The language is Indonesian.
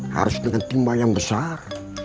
harus dengan timah yang besar